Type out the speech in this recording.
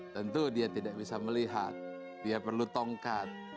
tentu dia tidak bisa melihat dia perlu tongkat